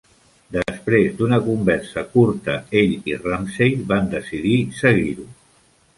Després d'una conversa curta ell i Ramsay van decidir seguir-ho.